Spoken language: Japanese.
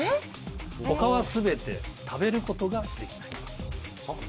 他は全て食べることができない。